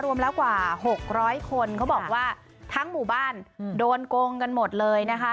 รวมแล้วกว่า๖๐๐คนเขาบอกว่าทั้งหมู่บ้านโดนโกงกันหมดเลยนะคะ